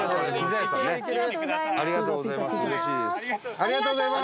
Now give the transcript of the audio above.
ありがとうございます。